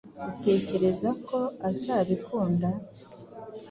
Utekereza ko azabikunda?